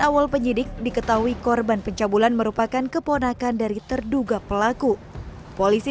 awal penyidik diketahui korban pencabulan merupakan keponakan dari terduga pelaku polisi